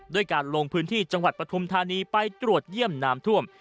ด้วยการลงพื้นที่จังหวัดปฐุมธานีไปตรวจเยี่ยมน้ำท่วม